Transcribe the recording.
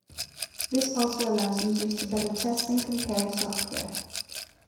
This also allows users to better test and compare software.